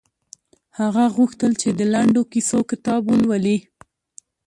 هغه غوښتل چې د لنډو کیسو کتاب ولولي